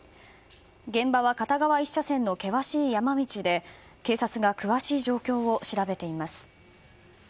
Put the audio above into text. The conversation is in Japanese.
現場は片側１車線の険しい山道で警察が詳しい状況を調べています。